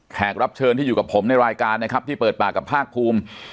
รับเชิญที่อยู่กับผมในรายการนะครับที่เปิดปากกับภาคภูมิ